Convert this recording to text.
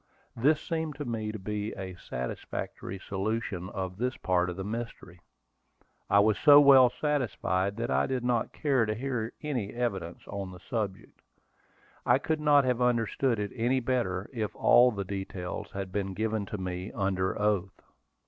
This seemed to me to be a satisfactory solution of this part of the mystery. I was so well satisfied that I did not care to hear any evidence on the subject. I could not have understood it any better if all the details had been given to me under oath.